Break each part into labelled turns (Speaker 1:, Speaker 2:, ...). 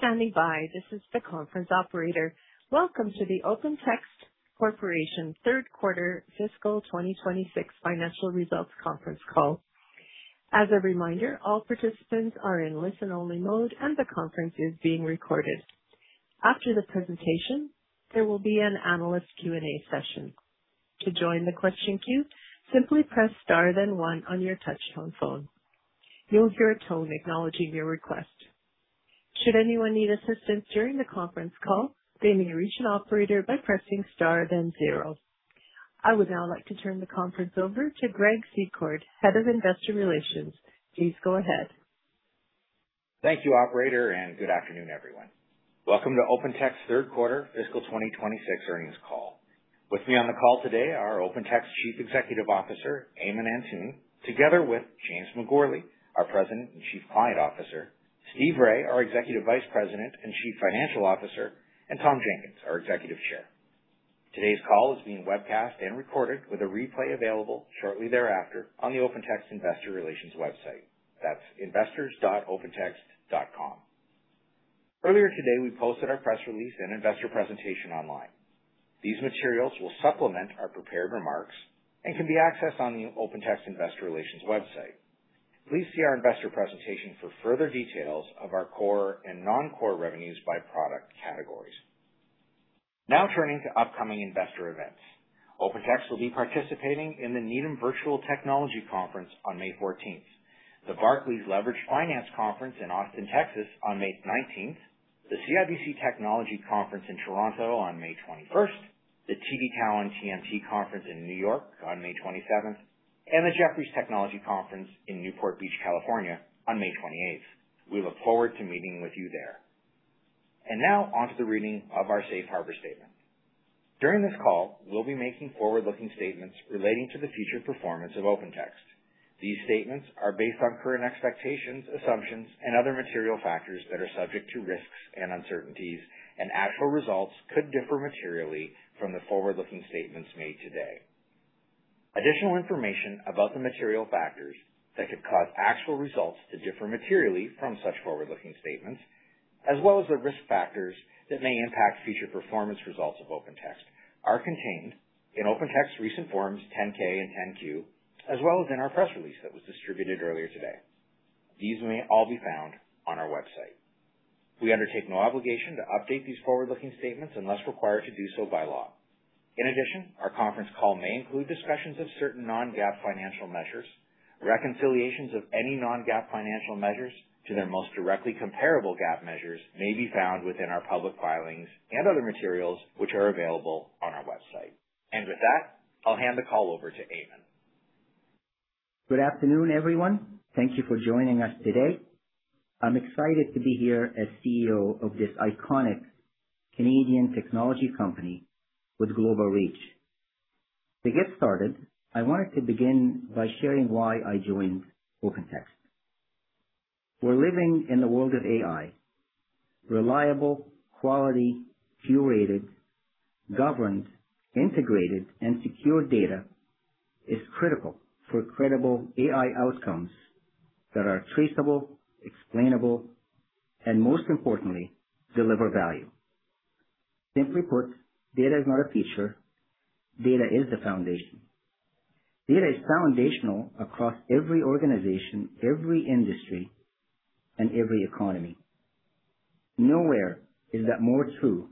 Speaker 1: Thank you for standing by. This is the conference operator. Welcome to the OpenText Corporation third quarter fiscal 2026 financial results conference call. As a reminder, all participants are in listen only mode, and the conference is being recorded. After the presentation, there will be an analyst Q&A session. To join the question queue, simply press star then one on your touchtone phone. You'll hear a tone acknowledging your request. Should anyone need assistance during the conference call, they may reach an operator by pressing star then zero. I would now like to turn the conference over to Greg Secord, Head of Investor Relations. Please go ahead.
Speaker 2: Thank you, operator, and good afternoon, everyone. Welcome to OpenText third quarter fiscal 2026 earnings call. With me on the call today are OpenText Chief Executive Officer, Ayman Antoun, together with James McGourlay, our President and Chief Client Officer, Steve Rai, our Executive Vice President and Chief Financial Officer, and Tom Jenkins, our Executive Chair. Today's call is being webcast and recorded with a replay available shortly thereafter on the OpenText Investor Relations website. That's investors.opentext.com. Earlier today, we posted our press release and investor presentation online. These materials will supplement our prepared remarks and can be accessed on the OpenText Investor Relations website. Please see our investor presentation for further details of our core and non-core revenues by product categories. Turning to upcoming investor events. OpenText will be participating in the Needham Technology, Media, & Consumer Conference on May 14th, the Barclays Leveraged Finance Conference in Austin, Texas on May 19th, the CIBC Technology & Innovation Conference in Toronto on May 21st, the TD Cowen TMT Conference in New York, N.Y. on May 27th, and the Jefferies Software, Internet & AI Conference in Newport Beach, California on May 28th. We look forward to meeting with you there. Now onto the reading of our safe harbor statement. During this call, we'll be making forward-looking statements relating to the future performance of OpenText. These statements are based on current expectations, assumptions, and other material factors that are subject to risks and uncertainties, and actual results could differ materially from the forward-looking statements made today. Additional information about the material factors that could cause actual results to differ materially from such forward-looking statements, as well as the risk factors that may impact future performance results of OpenText, are contained in OpenText recent forms 10-K and 10-Q, as well as in our press release that was distributed earlier today. These may all be found on our website. We undertake no obligation to update these forward-looking statements unless required to do so by law. In addition, our conference call may include discussions of certain non-GAAP financial measures. Reconciliations of any non-GAAP financial measures to their most directly comparable GAAP measures may be found within our public filings and other materials, which are available on our website. With that, I'll hand the call over to Ayman.
Speaker 3: Good afternoon, everyone. Thank you for joining us today. I'm excited to be here as CEO of this iconic Canadian technology company with global reach. To get started, I wanted to begin by sharing why I joined OpenText. We're living in the world of AI. Reliable, quality, curated, governed, integrated, and secure data is critical for credible AI outcomes that are traceable, explainable, and most importantly, deliver value. Simply put, data is not a feature, data is the foundation. Data is foundational across every organization, every industry, and every economy. Nowhere is that more true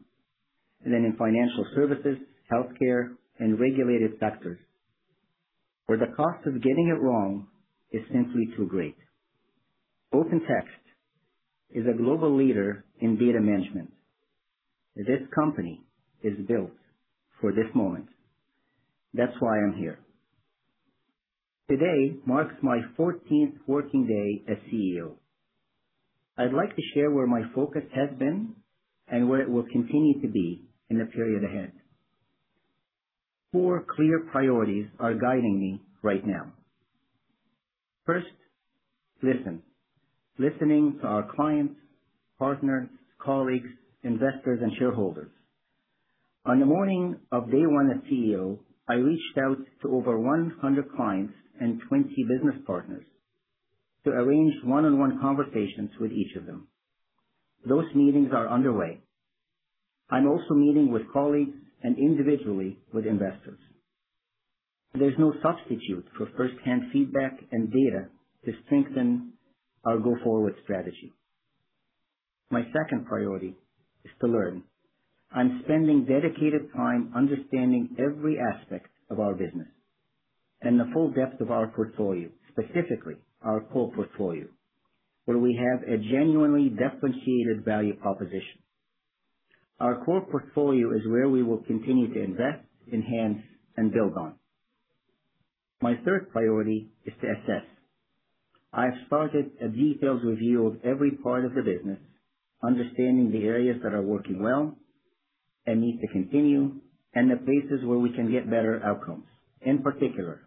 Speaker 3: than in financial services, healthcare, and regulated sectors, where the cost of getting it wrong is simply too great. OpenText is a global leader in data management. This company is built for this moment. That's why I'm here. Today marks my 14th working day as CEO. I'd like to share where my focus has been and where it will continue to be in the period ahead. Four clear priorities are guiding me right now. First, listen. Listening to our clients, partners, colleagues, investors, and shareholders. On the morning of day one as CEO, I reached out to over 100 clients and 20 business partners to arrange one-on-one conversations with each of them. Those meetings are underway. I'm also meeting with colleagues and individually with investors. There's no substitute for first-hand feedback and data to strengthen our go-forward strategy. My second priority is to learn. I'm spending dedicated time understanding every aspect of our business and the full depth of our portfolio, specifically our core portfolio, where we have a genuinely differentiated value proposition. Our core portfolio is where we will continue to invest, enhance, and build on. My third priority is to assess. I have started a detailed review of every part of the business, understanding the areas that are working well and need to continue, and the places where we can get better outcomes. In particular,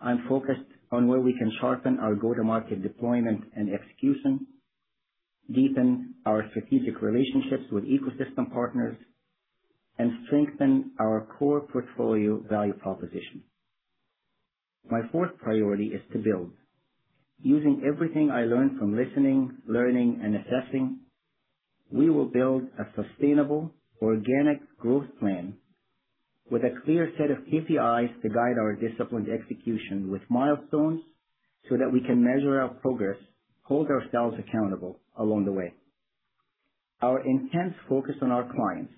Speaker 3: I'm focused on where we can sharpen our go-to-market deployment and execution, deepen our strategic relationships with ecosystem partners, and strengthen our core portfolio value proposition. My fourth priority is to build. Using everything I learned from listening, learning, and assessing, we will build a sustainable organic growth plan with a clear set of KPIs to guide our disciplined execution with milestones so that we can measure our progress, hold ourselves accountable along the way. Our intense focus on our clients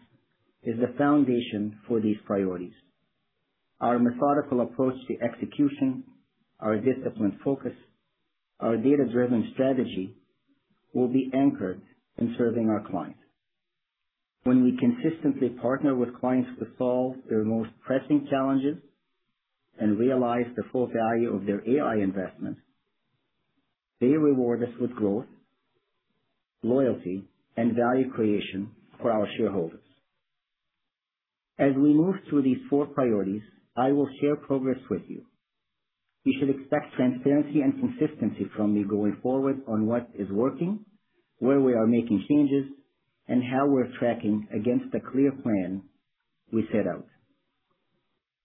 Speaker 3: is the foundation for these priorities. Our methodical approach to execution, our disciplined focus, our data-driven strategy will be anchored in serving our clients. When we consistently partner with clients to solve their most pressing challenges and realize the full value of their AI investment, they reward us with growth, loyalty, and value creation for our shareholders. As we move through these four priorities, I will share progress with you. You should expect transparency and consistency from me going forward on what is working, where we are making changes, and how we're tracking against the clear plan we set out.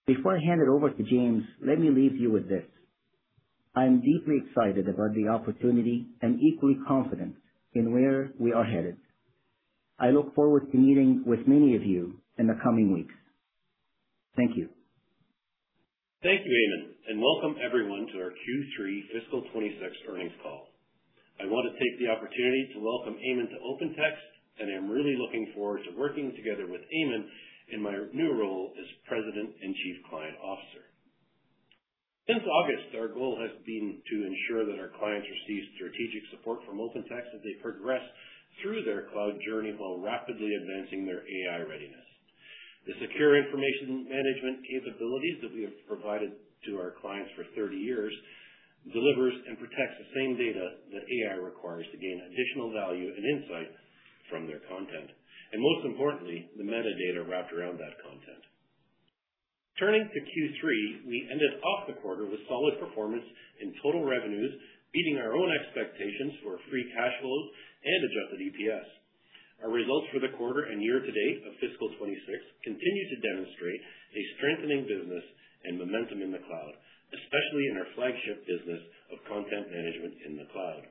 Speaker 3: Before I hand it over to James, let me leave you with this. I am deeply excited about the opportunity and equally confident in where we are headed. I look forward to meeting with many of you in the co ming weeks. Thank you.
Speaker 4: Thank you, Ayman, and welcome everyone to our Q3 fiscal 2026 earnings call. I want to take the opportunity to welcome Ayman to OpenText, and I'm really looking forward to working together with Ayman in my new role as President and Chief Client Officer. Since August, our goal has been to ensure that our clients receive strategic support from OpenText as they progress through their cloud journey while rapidly advancing their AI readiness. The secure information management capabilities that we have provided to our clients for 30 years delivers and protects the same data that AI requires to gain additional value and insight from their content, and most importantly, the metadata wrapped around that content. Turning to Q3, we ended off the quarter with solid performance in total revenues, beating our own expectations for free cash flow and adjusted EPS. Our results for the quarter and year-to-date of fiscal 2026 continue to demonstrate a strengthening business and momentum in the cloud, especially in our flagship business of content management in the cloud.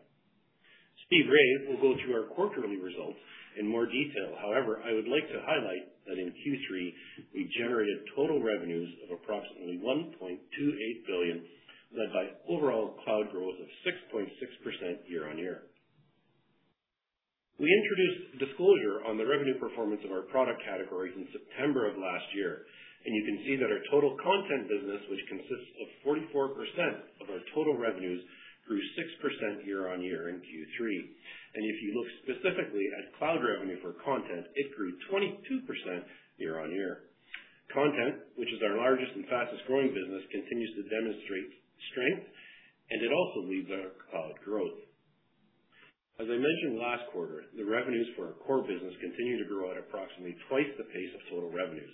Speaker 4: Steve Rai will go through our quarterly results in more detail. However, I would like to highlight that in Q3, we generated total revenues of approximately $1.28 billion, led by overall cloud growth of 6.6% year-on-year. We introduced disclosure on the revenue performance of our product categories in September of last year, and you can see that our total content business, which consists of 44% of our total revenues, grew 6% year-on-year in Q3. If you look specifically at cloud revenue for content, it grew 22% year-on-year. Content, which is our largest and fastest growing business, continues to demonstrate strength, and it also leads our cloud growth. As I mentioned last quarter, the revenues for our core business continue to grow at approximately twice the pace of total revenues.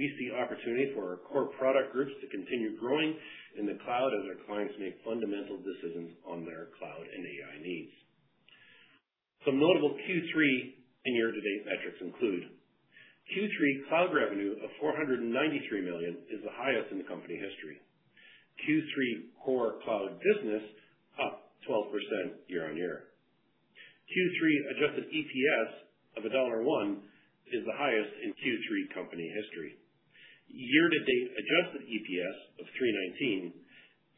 Speaker 4: We see opportunity for our core product groups to continue growing in the cloud as our clients make fundamental decisions on their cloud and AI needs. Some notable Q3 and year-to-date metrics include Q3 cloud revenue of $493 million is the highest in the company history. Q3 core cloud business up 12% year-on-year. Q3 adjusted EPS of $1.01 is the highest in Q3 company history. Year-to-date adjusted EPS of $3.19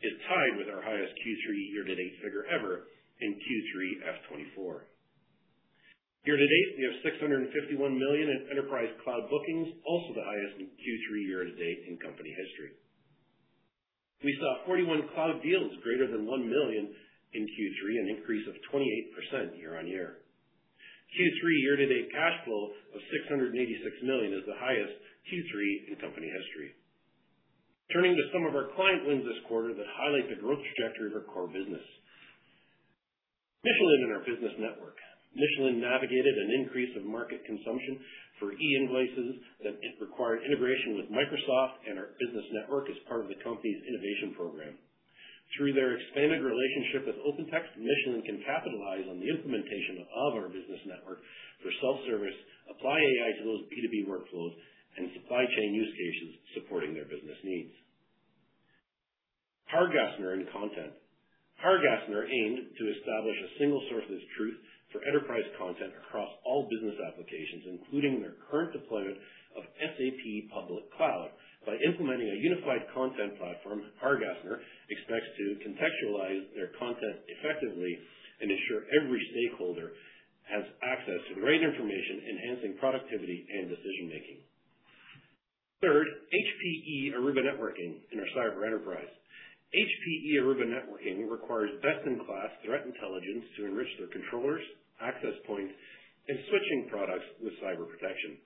Speaker 4: is tied with our highest Q3 year-to-date figure ever in Q3 FY 2024. Year-to-date, we have $651 million in enterprise cloud bookings, also the highest in Q3 year-to-date in company history. We saw 41 cloud deals greater than $1 million in Q3, an increase of 28% year-on-year. Q3 year-to-date cash flow of $686 million is the highest Q3 in company history. Turning to some of our client wins this quarter that highlight the growth trajectory of our core business. Michelin in our business network. Michelin navigated an increase of market consumption for e-invoices that required integration with Microsoft and our business network as part of the company's innovation program. Through their expanded relationship with OpenText, Michelin can capitalize on the implementation of our business network for self-service, apply AI to those B2B workflows, and supply chain use cases supporting their business needs. Hargassner in content. Hargassner aimed to establish a single source of truth for enterprise content across all business applications, including their current deployment of SAP public cloud. By implementing a unified content platform, Hargassner expects to contextualize their content effectively and ensure every stakeholder has access to the right information, enhancing productivity and decision-making. Third, HPE Aruba Networking in our cyber enterprise. HPE Aruba Networking requires best-in-class threat intelligence to enrich their controllers, access points, and switching products with cyber protection.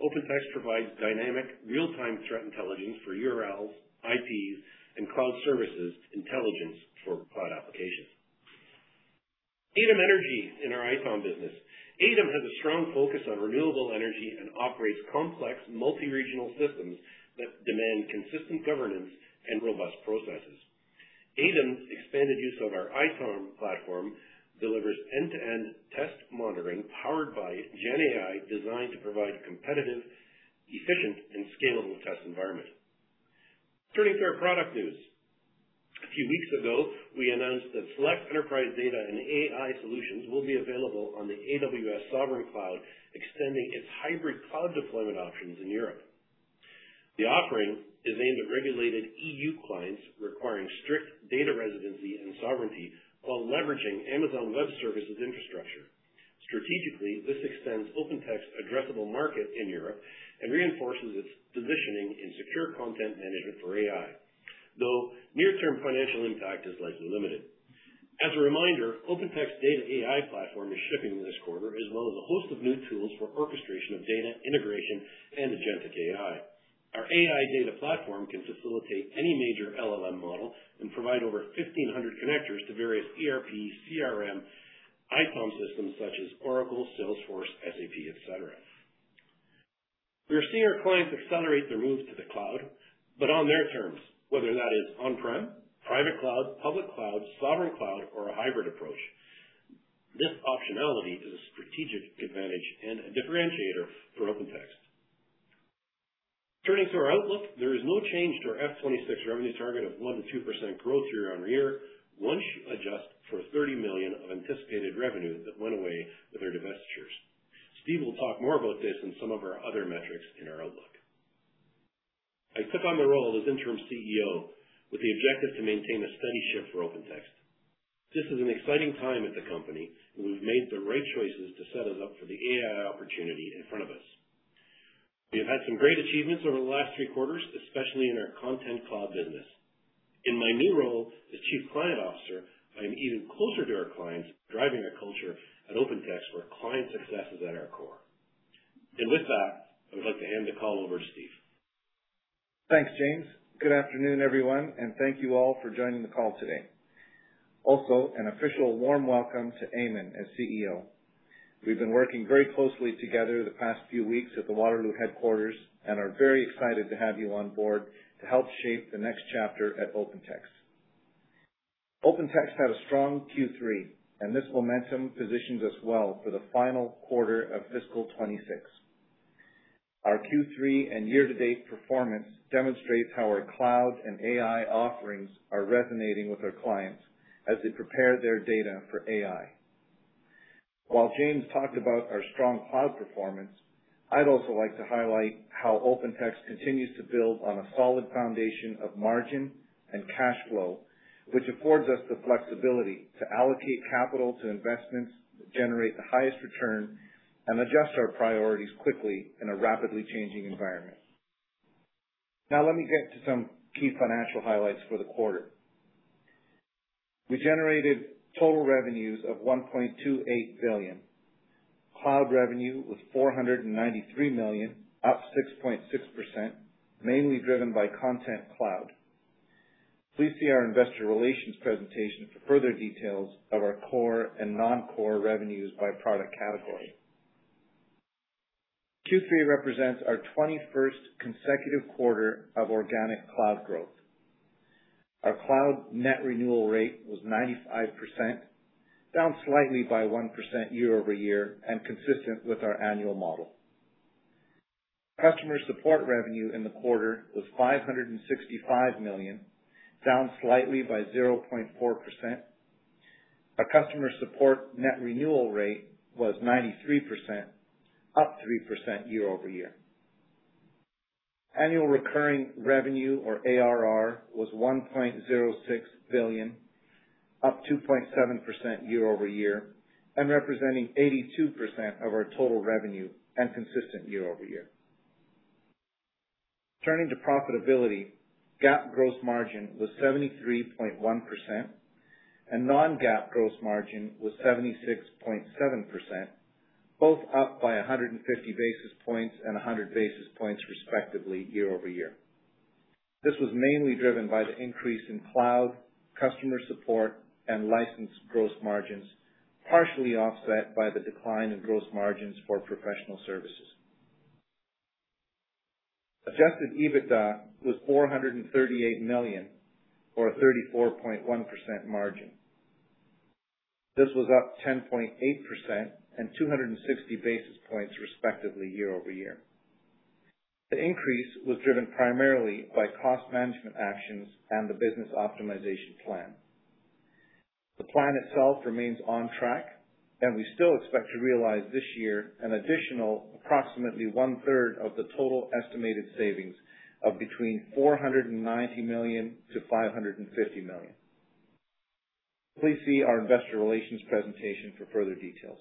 Speaker 4: OpenText provides dynamic real-time threat intelligence for URLs, IPs, and cloud services intelligence for cloud applications. Aydem Energy in our ITOM business. Aydem has a strong focus on renewable energy and operates complex multi-regional systems that demand consistent governance and robust processes. Aydem expanded use of our ITOM platform delivers end-to-end test monitoring powered by GenAI, designed to provide a competitive, efficient, and scalable test environment. Turning to our product news. A few weeks ago, we announced that select enterprise data and AI solutions will be available on the AWS Sovereign Cloud, extending its hybrid cloud deployment options in Europe. The offering is aimed at regulated EU clients requiring strict data residency and sovereignty while leveraging Amazon Web Services infrastructure. Strategically, this extends OpenText's addressable market in Europe and reinforces its positioning in secure content management for AI, though near-term financial impact is likely limited. As a reminder, OpenText data AI platform is shipping this quarter, as well as a host of new tools for orchestration of data integration and agentic AI. Our AI data platform can facilitate any major LLM model and provide over 1,500 connectors to various ERP, CRM, ITOM systems such as Oracle, Salesforce, SAP, et cetera. We are seeing our clients accelerate their moves to the cloud, but on their terms, whether that is on-prem, private cloud, public cloud, sovereign cloud, or a hybrid approach. This optionality is a strategic advantage and a differentiator for OpenText. Turning to our outlook, there is no change to our FY 2026 revenue target of 1%-2% growth year-on-year once you adjust for $30 million of anticipated revenue that went away with our divestitures. Steve will talk more about this and some of our other metrics in our outlook. I took on the role as interim CEO with the objective to maintain a steady ship for OpenText. This is an exciting time at the company, and we've made the right choices to set us up for the AI opportunity in front of us. We have had some great achievements over the last three quarters, especially in our Content Cloud business. In my new role as Chief Client Officer, I'm even closer to our clients, driving a culture at OpenText where client success is at our core. With that, I would like to hand the call over to Steve.
Speaker 5: Thanks, James. Good afternoon, everyone, and thank you all for joining the call today. Also, an official warm welcome to Ayman as CEO. We've been working very closely together the past few weeks at the Waterloo headquarters and are very excited to have you on board to help shape the next chapter at OpenText. OpenText had a strong Q3. This momentum positions us well for the final quarter of fiscal 2026. Our Q3 and year-to-date performance demonstrates how our cloud and AI offerings are resonating with our clients as they prepare their data for AI. While James talked about our strong cloud performance, I'd also like to highlight how OpenText continues to build on a solid foundation of margin and cash flow, which affords us the flexibility to allocate capital to investments that generate the highest return and adjust our priorities quickly in a rapidly changing environment. Let me get to some key financial highlights for the quarter. We generated total revenues of $1.28 billion. Cloud revenue was $493 million, up 6.6%, mainly driven by Content Cloud. Please see our investor relations presentation for further details of our core and non-core revenues by product category. Q3 represents our 21st consecutive quarter of organic cloud growth. Our cloud net renewal rate was 95%, down slightly by 1% year-over-year and consistent with our annual model. Customer support revenue in the quarter was $565 million, down slightly by 0.4%. Our customer support net renewal rate was 93%, up 3% year-over-year. Annual recurring revenue or ARR was $1.06 billion, up 2.7% year-over-year, and representing 82% of our total revenue and consistent year-over-year. Turning to profitability, GAAP gross margin was 73.1%, and non-GAAP gross margin was 76.7%, both up by 150 basis points and 100 basis points respectively year-over-year. This was mainly driven by the increase in cloud, customer support, and license gross margins, partially offset by the decline in gross margins for professional services. Adjusted EBITDA was $438 million or a 34.1% margin. This was up 10.8% and 260 basis points respectively year-over-year. The increase was driven primarily by cost management actions and the business optimization plan. The plan itself remains on track, we still expect to realize this year an additional approximately 1/3 of the total estimated savings of between $490 million-$550 million. Please see our investor relations presentation for further details.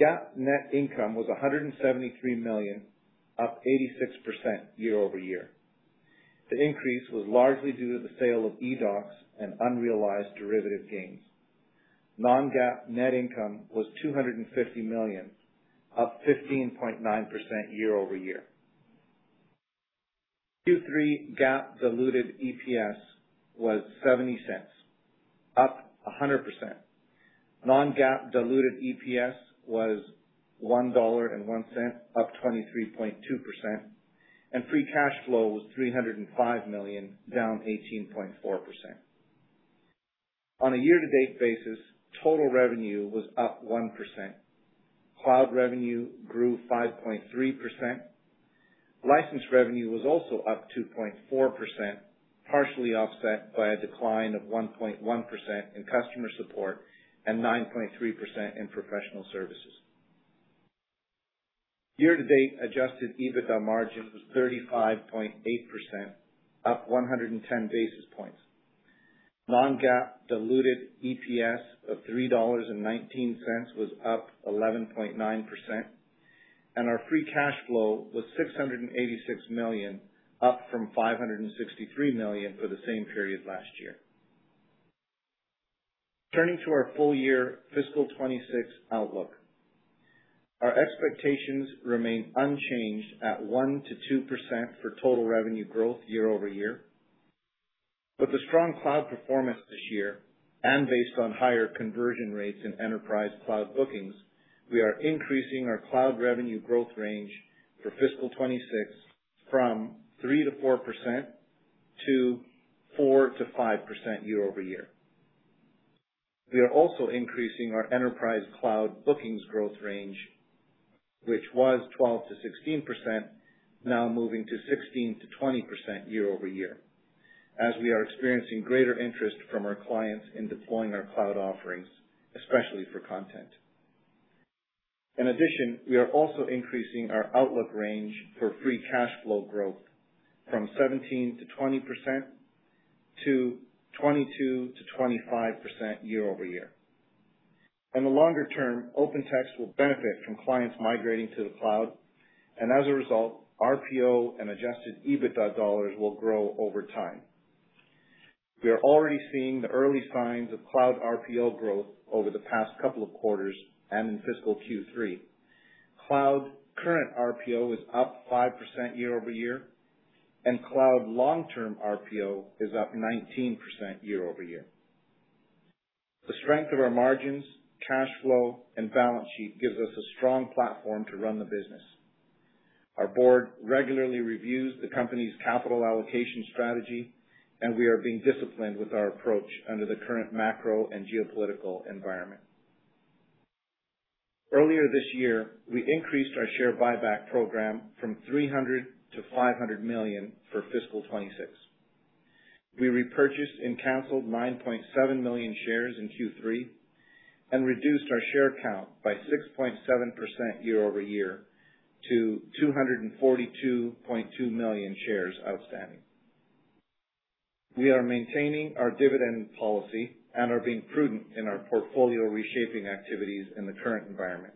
Speaker 5: GAAP net income was $173 million, up 86% year-over-year. The increase was largely due to the sale of eDOCS and unrealized derivative gains. Non-GAAP net income was $250 million, up 15.9% year-over-year. Q3 GAAP diluted EPS was $0.70, up 100%. Non-GAAP diluted EPS was $1.01, up 23.2%. Free cash flow was $305 million, down 18.4%. On a year-to-date basis, total revenue was up 1%. Cloud revenue grew 5.3%. License revenue was also up 2.4%, partially offset by a decline of 1.1% in customer support and 9.3% in professional services. Year-to-date adjusted EBITDA margin was 35.8%, up 110 basis points. Non-GAAP diluted EPS of $3.19 was up 11.9%, and our free cash flow was $686 million, up from $563 million for the same period last year. Turning to our full year fiscal 2026 outlook. Our expectations remain unchanged at 1%-2% for total revenue growth year-over-year. With the strong cloud performance this year, and based on higher conversion rates in enterprise cloud bookings, we are increasing our cloud revenue growth range for fiscal 2026 from 3%-4% to 4%-5% year-over-year. We are also increasing our enterprise cloud bookings growth range, which was 12%-16%, now moving to 16%-20% year-over-year, as we are experiencing greater interest from our clients in deploying our cloud offerings, especially for content. In addition, we are also increasing our outlook range for free cash flow growth from 17%-20% to 22%-25% year-over-year. In the longer term, OpenText will benefit from clients migrating to the cloud, and as a result, RPO and adjusted EBITDA dollars will grow over time. We are already seeing the early signs of cloud RPO growth over the past couple of quarters and in fiscal Q3. Cloud current RPO is up 5% year-over-year, and cloud long-term RPO is up 19% year-over-year. The strength of our margins, cash flow, and balance sheet gives us a strong platform to run the business. Our board regularly reviews the company's capital allocation strategy, and we are being disciplined with our approach under the current macro and geopolitical environment. Earlier this year, we increased our share buyback program from $300 million-$500 million for fiscal 2026. We repurchased and canceled 9.7 million shares in Q3 and reduced our share count by 6.7% year-over-year to 242.2 million shares outstanding. We are maintaining our dividend policy and are being prudent in our portfolio reshaping activities in the current environment.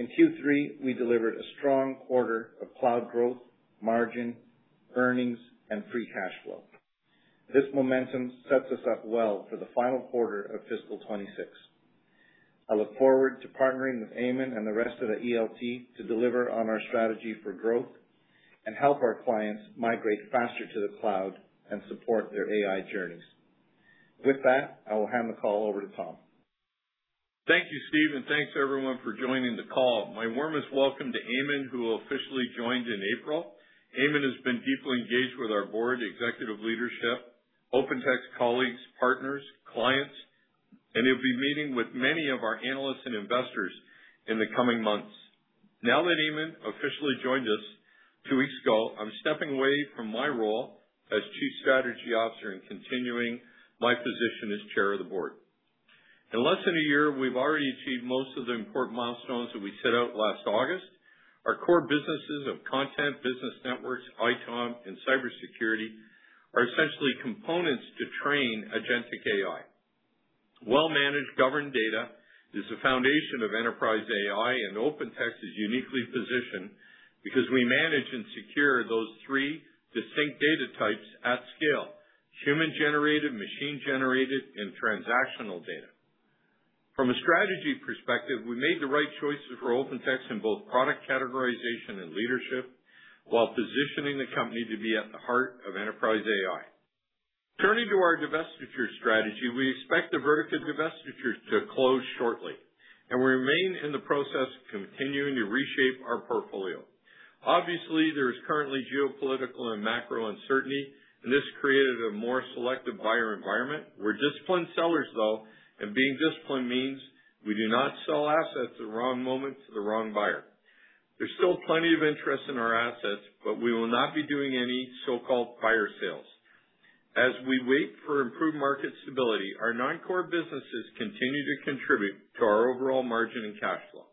Speaker 5: In Q3, we delivered a strong quarter of cloud growth, margin, earnings, and free cash flow. This momentum sets us up well for the final quarter of fiscal 2026. I look forward to partnering with Ayman and the rest of the ELT to deliver on our strategy for growth and help our clients migrate faster to the cloud and support their AI journeys. With that, I will hand the call over to Tom.
Speaker 6: Thank you, Steve, and thanks everyone for joining the call. My warmest welcome to Ayman, who officially joined in April. Ayman has been deeply engaged with our board, executive leadership, OpenText colleagues, partners, clients, and he'll be meeting with many of our analysts and investors in the coming months. Now that Ayman officially joined us two weeks ago, I'm stepping away from my role as Chief Strategy Officer and continuing my position as Chair of the Board. In less than a year, we've already achieved most of the important milestones that we set out last August. Our core businesses of content, business networks, ITOM, and cybersecurity are essentially components to train agentic AI. Well-managed governed data is the foundation of enterprise AI, OpenText is uniquely positioned because we manage and secure those three distinct data types at scale: human-generated, machine-generated, and transactional data. From a strategy perspective, we made the right choices for OpenText in both product categorization and leadership, while positioning the company to be at the heart of enterprise AI. Turning to our divestiture strategy, we expect the Vertica divestiture to close shortly, and we remain in the process of continuing to reshape our portfolio. Obviously, there is currently geopolitical and macro uncertainty, and this created a more selective buyer environment. We're disciplined sellers, though, and being disciplined means we do not sell assets at the wrong moment to the wrong buyer. There's still plenty of interest in our assets, but we will not be doing any so-called fire sales. As we wait for improved market stability, our non-core businesses continue to contribute to our overall margin and cash flow.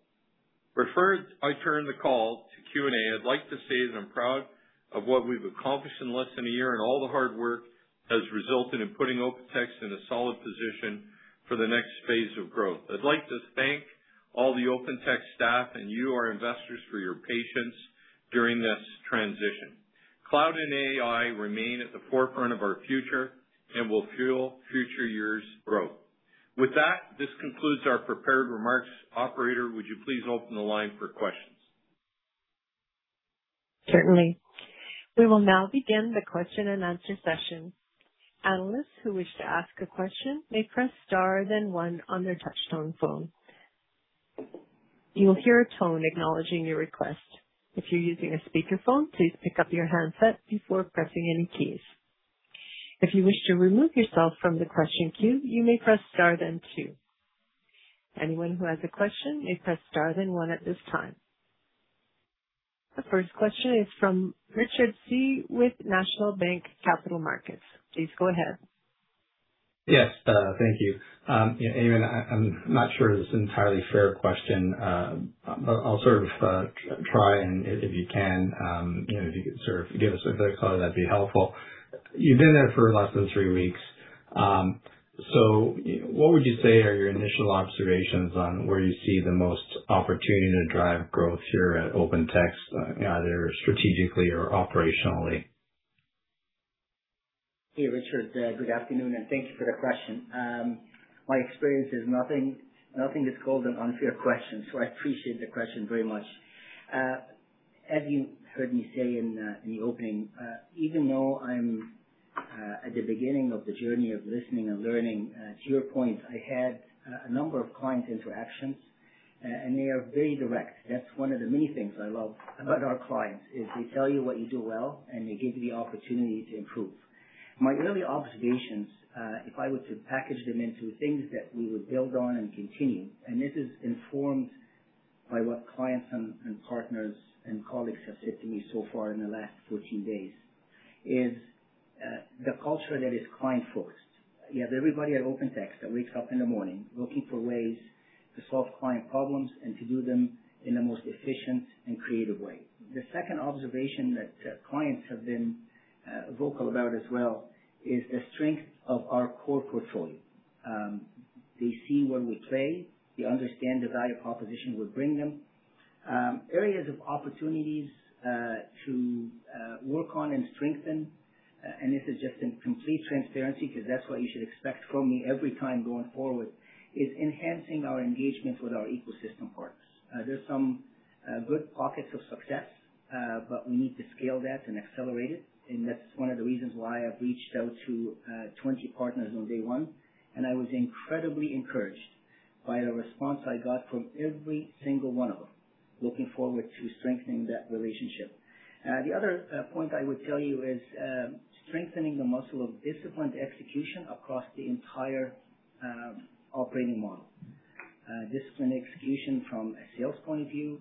Speaker 6: Before I turn the call to Q&A, I'd like to say that I'm proud of what we've accomplished in less than a year, and all the hard work has resulted in putting OpenText in a solid position for the next phase of growth. I'd like to thank all the OpenText staff and you, our investors, for your patience during this transition. Cloud and AI remain at the forefront of our future and will fuel future years' growth. With that, this concludes our prepared remarks. Operator, would you please open the line for questions?
Speaker 1: Certainly, we will now begin the question-and-answer session. Analyst who wish to ask a question then press star one on the touchtone phone. You will hear a tone acknowledging your request. If your using a speaker phone please pick up your handset before pressing any keys. If you wish to removed yourself from the question queue you may press star then two. Anyone who has the question you may press star one at this time The first question is from Richard Tse with National Bank Capital Markets. Please go ahead.
Speaker 7: Yes, thank you. Yeah, Ayman, I'm not sure this is an entirely fair question. I'll sort of try, and if you can, you know, if you could sort of give us a good color, that'd be helpful. You've been there for less than three weeks. What would you say are your initial observations on where you see the most opportunity to drive growth here at OpenText, either strategically or operationally?
Speaker 3: Hey, Richard. Good afternoon, and thank you for the question. My experience is nothing is called an unfair question, so I appreciate the question very much. As you heard me say in the opening, even though I'm at the beginning of the journey of listening and learning, to your point, I had a number of client interactions, and they are very direct. That's one of the many things I love about our clients, is they tell you what you do well, and they give you the opportunity to improve. My early observations, if I were to package them into things that we would build on and continue, and this is informed by what clients and partners and colleagues have said to me so far in the last 14 days, is the culture that is client-focused. You have everybody at OpenText that wakes up in the morning looking for ways to solve client problems and to do them in the most efficient and creative way. The second observation that clients have been vocal about as well is the strength of our core portfolio. They see where we play. They understand the value proposition we bring them. Areas of opportunities to work on and strengthen, and this is just in complete transparency because that's what you should expect from me every time going forward, is enhancing our engagements with our ecosystem partners. There's some good pockets of success, we need to scale that and accelerate it. That's one of the reasons why I've reached out to 20 partners on day one. I was incredibly encouraged by the response I got from every single one of them. Looking forward to strengthening that relationship. The other point I would tell you is strengthening the muscle of disciplined execution across the entire operating model. Disciplined execution from a sales point of view,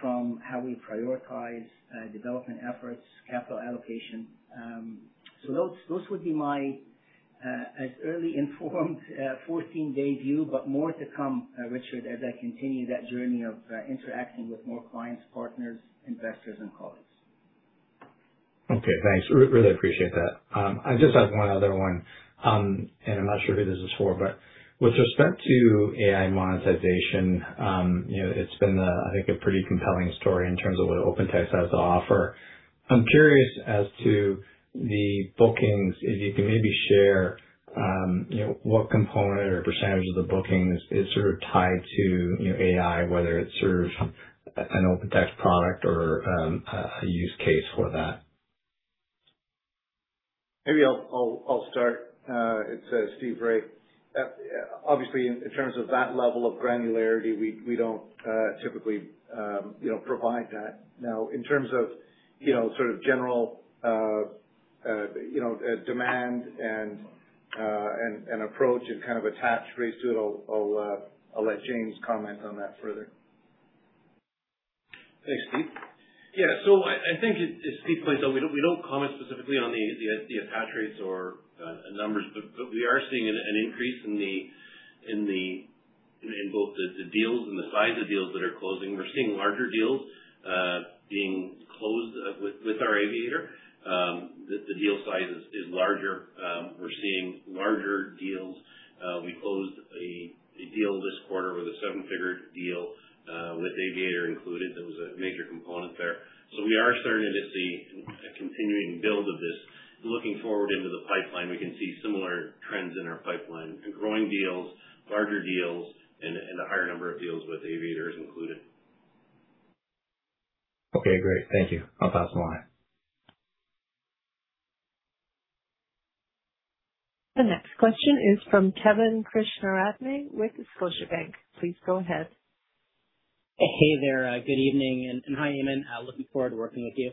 Speaker 3: from how we prioritize development efforts, capital allocation. Those would be my as early informed 14-day view, but more to come, Richard, as I continue that journey of interacting with more clients, partners, investors, and colleagues.
Speaker 7: Okay, thanks. Really appreciate that. I just have one other one, and I'm not sure who this is for, but with respect to AI monetization, you know, it's been a, I think a pretty compelling story in terms of what OpenText has to offer. I'm curious as to the bookings, if you can maybe share, you know, what component or percentage of the bookings is sort of tied to, you know, AI, whether it serves an OpenText product or a use case for that?
Speaker 5: Maybe I'll start. It's Steve Rai. Obviously, in terms of that level of granularity, we don't typically, you know, provide that. Now, in terms of, you know, sort of general, you know, demand and approach and kind of attach rates to it, I'll let James comment on that further.
Speaker 4: Thanks, Steve. I think as Steve points out, we don't comment specifically on the attach rates or numbers, but we are seeing an increase in both the deals and the size of deals that are closing. We're seeing larger deals being closed with our Aviator. The deal size is larger. We're seeing larger deals. We closed a deal this quarter. It was a seven-figure deal with Aviator included. That was a major component there. We are starting to see a continuing build of this. Looking forward into the pipeline, we can see similar trends in our pipeline and growing deals, larger deals, and a higher number of deals with Aviators included.
Speaker 7: Okay, great. Thank you. I'll pass the line.
Speaker 1: The next question is from Kevin Krishnaratne with Scotiabank. Please go ahead.
Speaker 8: Hey there. good evening. Hi, Ayman. looking forward to working with you.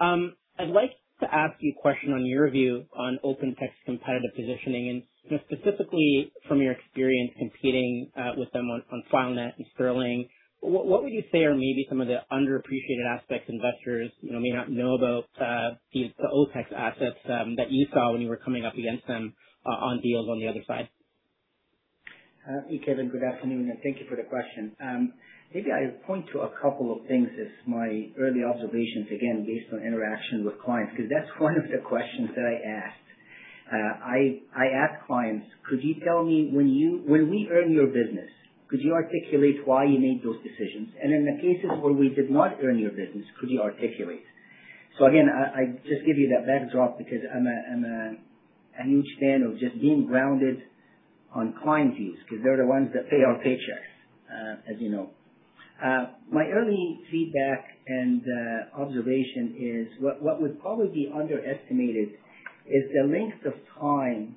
Speaker 8: I'd like to ask you a question on your view on OpenText's competitive positioning and, you know, specifically from your experience competing with them on FileNet and Sterling. What would you say are maybe some of the underappreciated aspects investors, you know, may not know about the OTEX assets that you saw when you were coming up against them on deals on the other side?
Speaker 3: Hey, Kevin, good afternoon, and thank you for the question. Maybe I would point to a couple of things as my early observations, again, based on interaction with clients, because that's one of the questions that I asked. I asked clients, "Could you tell me when you when we earn your business, could you articulate why you made those decisions? In the cases where we did not earn your business, could you articulate?" Again, I just give you that backdrop because I'm a huge fan of just being grounded on client views because they're the ones that pay our paychecks. As you know. My early feedback and observation is what would probably be underestimated is the length of time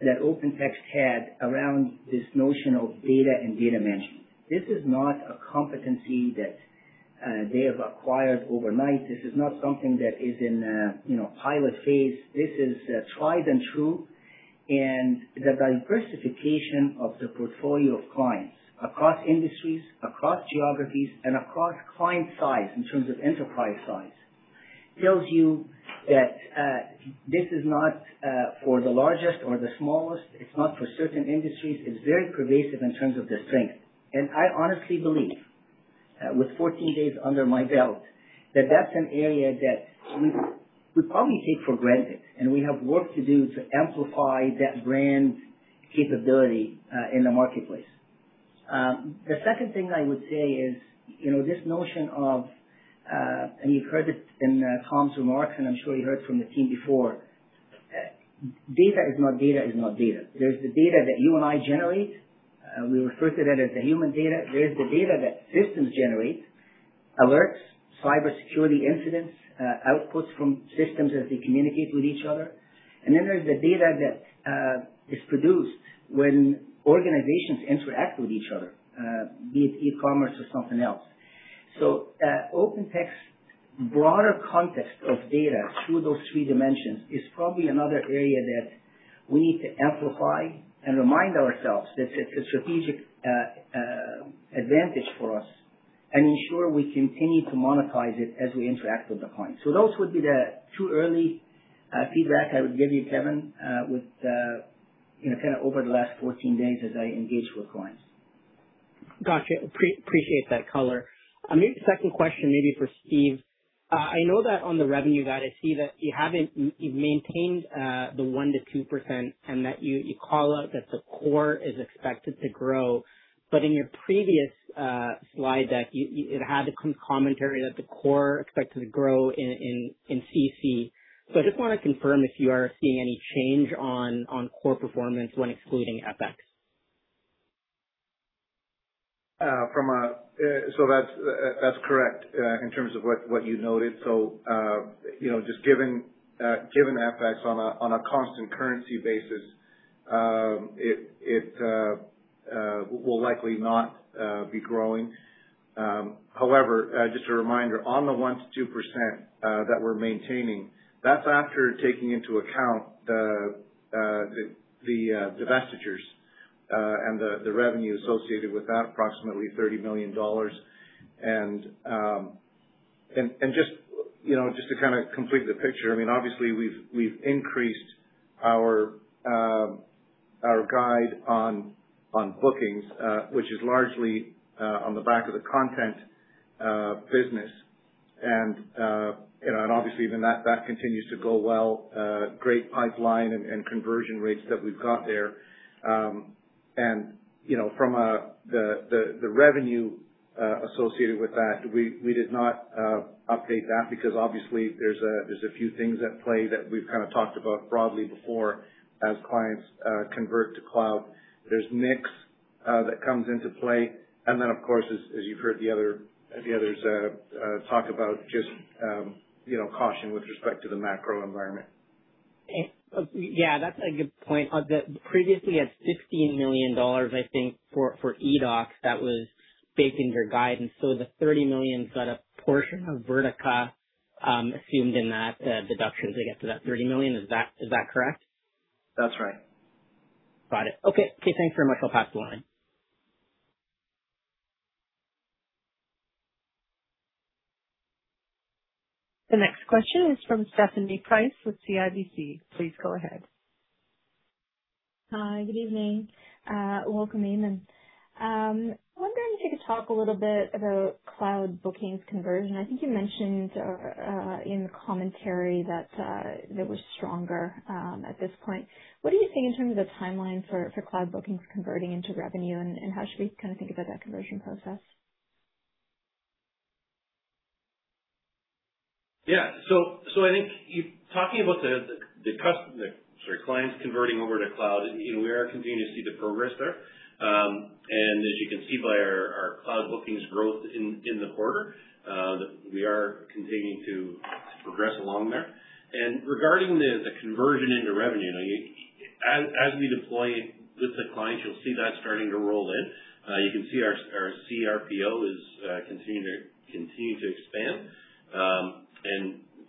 Speaker 3: that OpenText had around this notion of data and data management. This is not a competency that they have acquired overnight. This is not something that is in, you know, pilot phase. This is tried and true. The diversification of the portfolio of clients across industries, across geographies, and across client size in terms of enterprise size tells you that this is not for the largest or the smallest. It's not for certain industries. It's very pervasive in terms of the strength. I honestly believe, with 14 days under my belt, that that's an area that we probably take for granted, and we have work to do to amplify that brand capability in the marketplace. The second thing I would say is, you know, this notion of, and you've heard it in Tom's remarks, and I'm sure you heard from the team before, data is not data is not data. There's the data that you and I generate. We refer to that as the human data. There's the data that systems generate, alerts, cybersecurity incidents, outputs from systems as they communicate with each other. Then there's the data that is produced when organizations interact with each other, be it e-commerce or something else. OpenText broader context of data through those three dimensions is probably another area that we need to amplify and remind ourselves that it's a strategic advantage for us and ensure we continue to monetize it as we interact with the clients. Those would be the two early feedback I would give you, Kevin, with, you know, kind of over the last 14 days as I engage with clients.
Speaker 8: Gotcha. Appreciate that color. Maybe second question maybe for Steve. I know that on the revenue guide, I see that you haven't you've maintained the 1%-2% and that you call out that the core is expected to grow. In your previous slide deck, you it had the commentary that the core expected to grow in CC. I just wanna confirm if you are seeing any change on core performance when excluding FX.
Speaker 5: From a, that's correct in terms of what you noted. You know, just given FX on a constant currency basis, it will likely not be growing. However, just a reminder, on the 1%-2% that we're maintaining, that's after taking into account the divestitures and the revenue associated with that, approximately $30 million. Just, you know, just to kind of complete the picture, I mean, obviously we've increased our guide on bookings, which is largely on the back of the Content business. You know, obviously that continues to go well. Great pipeline and conversion rates that we've got there. You know, from a, the revenue associated with that, we did not update that because obviously there's a few things at play that we've kind of talked about broadly before as clients convert to cloud. There's mix that comes into play. Of course, as you've heard the others talk about just, you know, caution with respect to the macro environment.
Speaker 8: Yeah, that's a good point. The previously had $60 million, I think for eDOCS that was baked in your guidance. The $30 million's got a portion of Vertica, assumed in that, deductions to get to that $30 million. Is that, is that correct?
Speaker 5: That's right.
Speaker 8: Got it. Okay. Okay, thanks very much. I'll pass the line.
Speaker 1: The next question is from Stephanie Price with CIBC. Please go ahead.
Speaker 9: Hi, good evening. Welcome, Ayman. I was wondering if you could talk a little bit about cloud bookings conversion. I think you mentioned in the commentary that that was stronger at this point. What are you seeing in terms of the timeline for cloud bookings converting into revenue and how should we kind of think about that conversion process?
Speaker 5: Yeah. Talking about the, sorry, clients converting over to cloud, you know, we are continuing to see the progress there. As you can see by our cloud bookings growth in the quarter, that we are continuing to progress along there. Regarding the conversion into revenue, I mean, as we deploy with the clients, you'll see that starting to roll in. You can see our CRPO is continuing to expand. You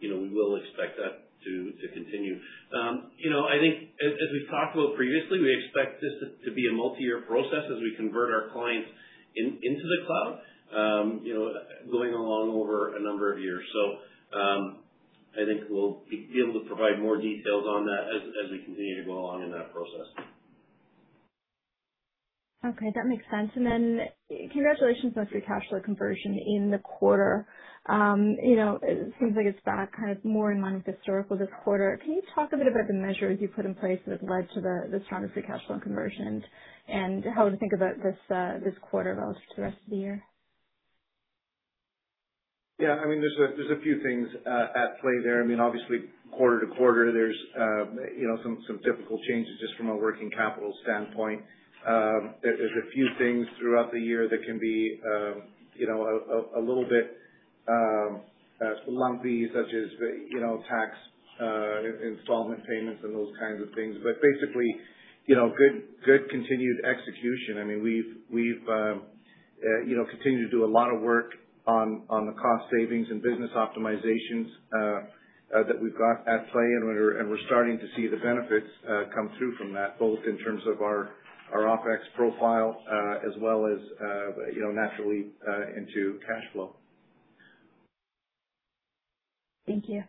Speaker 5: know, we will expect that to continue. You know, I think as we've talked about previously, we expect this to be a multi-year process as we convert our clients into the cloud, you know, going along over a number of years. I think we'll be able to provide more details on that as we continue to go along in that process.
Speaker 9: Okay, that makes sense. Congratulations on free cash flow conversion in the quarter. You know, it seems like it's back kind of more in line with historical this quarter. Can you talk a bit about the measures you put in place that have led to the stronger free cash flow conversion and how to think about this quarter relative to the rest of the year?
Speaker 5: Yeah, I mean, there's a few things at play there. I mean, obviously quarter-to-quarter, there's, you know, some difficult changes just from a working capital standpoint. There's a few things throughout the year that can be, you know, a little bit lumpy, such as the, you know, tax installment payments and those kinds of things. Basically, you know, good continued execution. I mean, we've, you know, continued to do a lot of work on the cost savings and business optimizations that we've got at play, and we're starting to see the benefits come through from that, both in terms of our OpEx profile, as well as, you know, naturally, into cash flow.
Speaker 9: Thank you.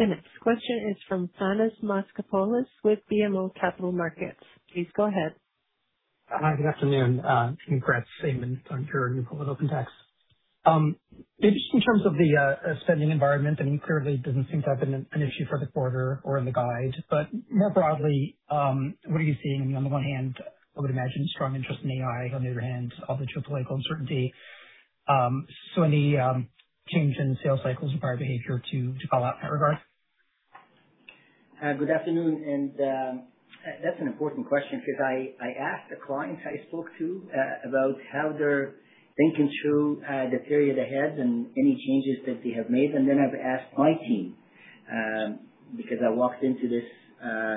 Speaker 1: The next question is from Thanos Moschopoulos with BMO Capital Markets. Please go ahead.
Speaker 10: Hi. Good afternoon. Congrats, Ayman, on your new role at OpenText. In terms of the spending environment, I mean, clearly it doesn't seem to have been an issue for the quarter or in the guide, more broadly, what are you seeing? I mean, on the one hand, I would imagine strong interest in AI, on the other hand, all the geopolitical uncertainty. Any change in sales cycles or buyer behavior to call out in that regard?
Speaker 3: Good afternoon. That's an important question because I asked the clients I spoke to about how they're thinking through the period ahead and any changes that they have made. I've asked my team because I walked into this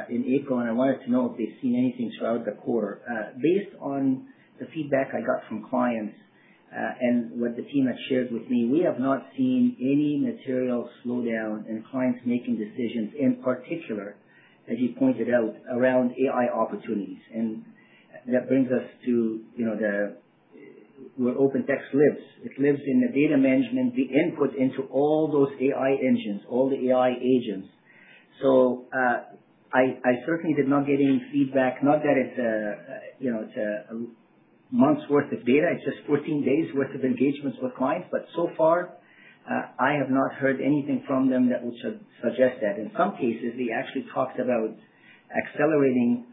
Speaker 3: in April, and I wanted to know if they've seen anything throughout the quarter. Based on the feedback I got from clients, and what the team has shared with me, we have not seen any material slowdown in clients making decisions, in particular, as you pointed out, around AI opportunities. That brings us to, you know, where OpenText lives. It lives in the data management, the input into all those AI engines, all the AI agents. I certainly did not get any feedback. Not that it's, you know, it's a month's worth of data, it's just 14 days worth of engagements with clients. So far, I have not heard anything from them that would suggest that. In some cases, they actually talked about accelerating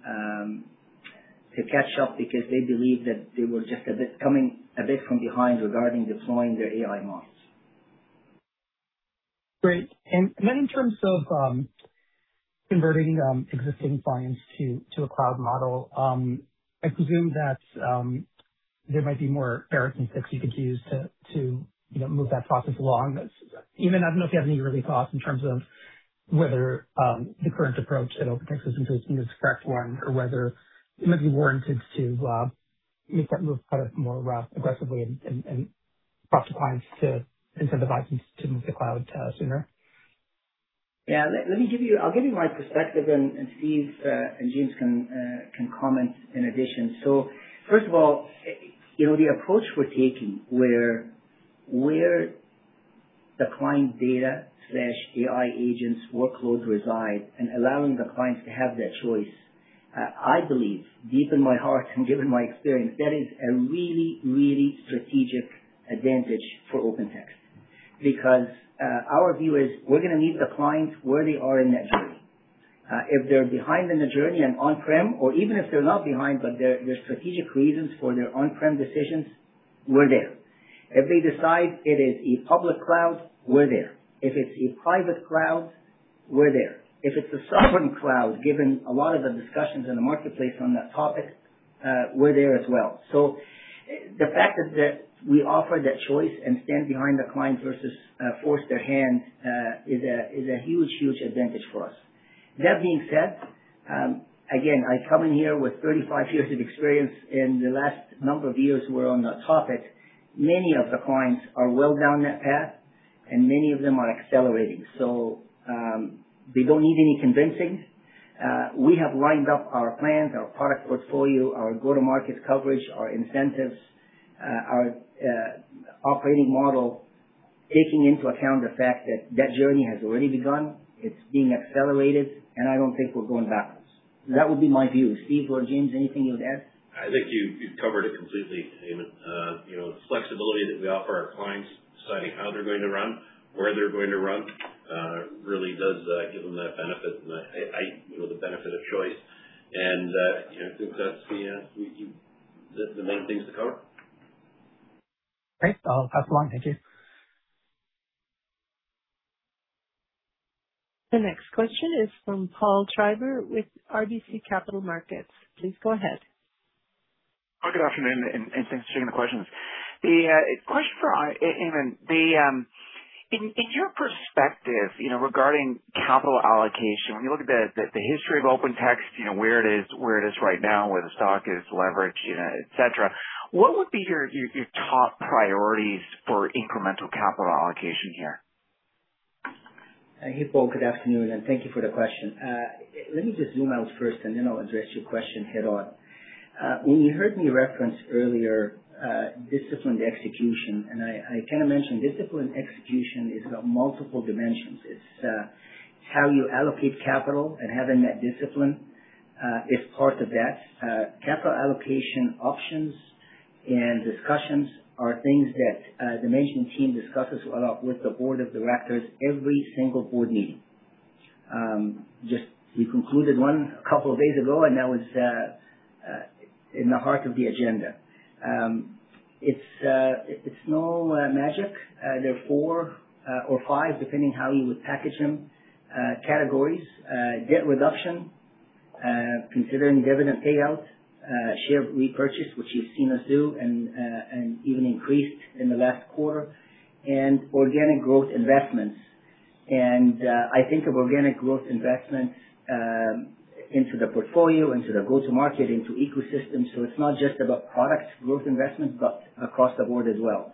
Speaker 3: to catch up because they believe that they were just a bit coming a bit from behind regarding deploying their AI models.
Speaker 10: Great. In terms of converting existing clients to a cloud model, I presume that there might be more carrots and sticks you could use to, you know, move that process along. That's, even, I don't know if you have any real thoughts in terms of whether the current approach that OpenText is introducing is the correct one or whether it might be warranted to make that move kind of more aggressively and foster clients to incentivize them to move to cloud sooner.
Speaker 3: I'll give you my perspective and Steve and James can comment in addition. First of all, you know, the approach we're taking where the client data/AI agents workloads reside and allowing the clients to have that choice, I believe deep in my heart and given my experience, that is a really strategic advantage for OpenText. Our view is we're gonna meet the clients where they are in that journey. If they're behind in the journey and on-prem or even if they're not behind, there are strategic reasons for their on-prem decisions, we're there. If they decide it is a public cloud, we're there. If it's a private cloud, we're there. If it's a sovereign cloud, given a lot of the discussions in the marketplace on that topic, we're there as well. The fact that we offer that choice and stand behind the client versus force their hand is a huge advantage for us. That being said, again, I come in here with 35 years of experience. In the last number of years we're on the topic, many of the clients are well down that path, and many of them are accelerating. They don't need any convincing. We have lined up our plans, our product portfolio, our go-to-market coverage, our incentives, our operating model, taking into account the fact that that journey has already begun. It's being accelerated, and I don't think we're going backwards. That would be my view. Steve or James, anything you would add?
Speaker 4: I think you've covered it completely, Ayman. You know, the flexibility that we offer our clients, deciding how they're going to run, where they're going to run, really does give them that benefit. I, you know, the benefit of choice and, you know, think that's the main things to cover.
Speaker 10: Great. I'll pass along. Thank you.
Speaker 1: The next question is from Paul Treiber with RBC Capital Markets. Please go ahead.
Speaker 11: Good afternoon, and thanks for taking the questions. The question for Ayman. The in your perspective, you know, regarding capital allocation, when you look at the history of OpenText, you know, where it is right now, where the stock is leveraged, you know, et cetera, what would be your top priorities for incremental capital allocation here?
Speaker 3: Hey, Paul, good afternoon. Thank you for the question. Let me just zoom out first. Then I'll address your question head-on. When you heard me reference earlier, disciplined execution, I kind of mentioned disciplined execution is about multiple dimensions. It's how you allocate capital and having that discipline is part of that. Capital allocation options and discussions are things that the management team discusses a lot with the board of directors every single board meeting. Just we concluded one a couple of days ago. That was in the heart of the agenda. It's no magic. There are four or five, depending how you would package them, categories. Debt reduction, considering dividend payout, share repurchase, which you've seen us do, and even increased in the last quarter, organic growth investments. I think of organic growth investments into the portfolio, into the go-to-market, into ecosystems. It's not just about products growth investments, but across the board as well.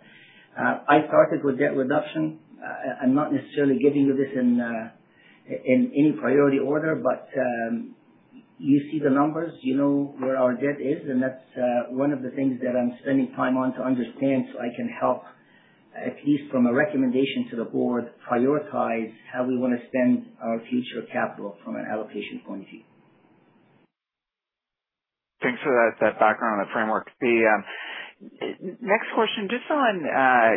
Speaker 3: I started with debt reduction. I'm not necessarily giving you this in any priority order, but you see the numbers, you know where our debt is, and that's one of the things that I'm spending time on to understand so I can help, at least from a recommendation to the board, prioritize how we wanna spend our future capital from an allocation point of view.
Speaker 11: Thanks for that background on the framework. The next question, just on,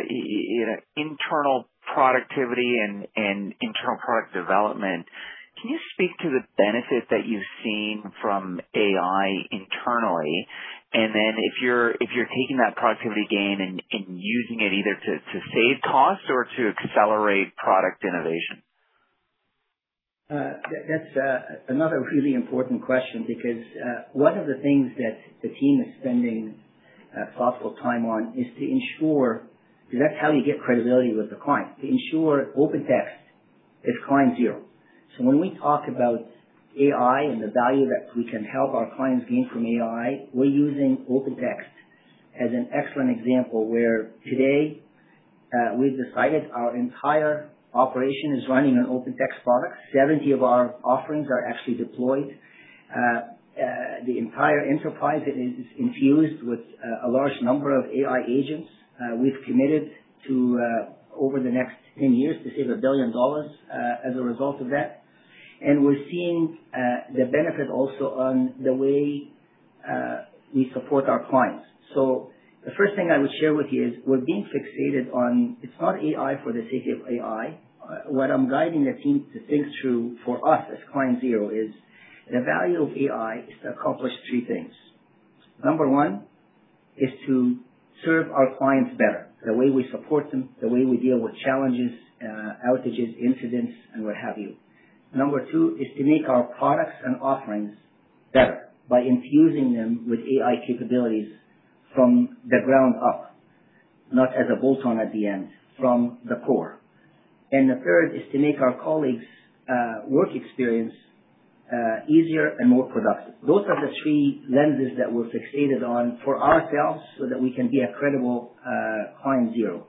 Speaker 11: you know, internal productivity and internal product development, can you speak to the benefit that you've seen from AI internally, and then if you're taking that productivity gain and using it either to save costs or to accelerate product innovation?
Speaker 3: That's another really important question because one of the things that the team is spending thoughtful time on is to ensure 'cause that's how you get credibility with the client. To ensure OpenText is client zero. When we talk about AI and the value that we can help our clients gain from AI, we're using OpenText as an excellent example where today, we've decided our entire operation is running on OpenText products. 70 of our offerings are actually deployed. The entire enterprise is infused with a large number of AI agents. We've committed to over the next 10 years to save $1 billion as a result of that. We're seeing the benefit also on the way we support our clients. The first thing I would share with you is we're being fixated on it's not AI for the sake of AI. What I'm guiding the team to think through for us as client zero is the value of AI is to accomplish three things. Number one is to serve our clients better, the way we support them, the way we deal with challenges, outages, incidents, and what have you. Number two is to make our products and offerings better by infusing them with AI capabilities from the ground up, not as a bolt-on at the end, from the core. The third is to make our colleagues', work experience, easier and more productive. Those are the three lenses that we're fixated on for ourselves so that we can be a credible, client zero.